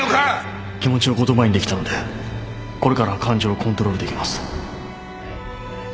気持ちを言葉にできたのでこれからは感情をコントロールできます